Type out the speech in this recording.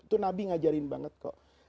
itu nabi ngajarin banget kok